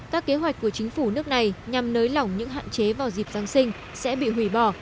các kế hoạch của chính phủ nước này nhằm nới lỏng những hạn chế vào dịp giáng sinh sẽ bị hủy bỏ